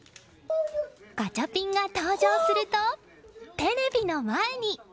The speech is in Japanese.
ガチャピンが登場するとテレビの前に！